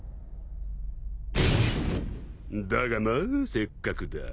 だがまあせっかくだ。